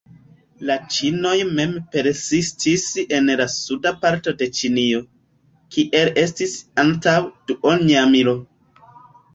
La ĉinoj mem persistis en la suda parto de Ĉinio, kiel estis antaŭ duonjarmilo.